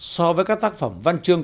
so với các tác phẩm văn chương